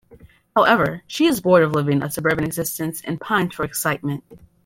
However, she is bored of living a suburban existence and pines for excitement.